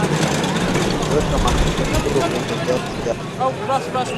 weka mafuta kidogo kwenye viazi vyako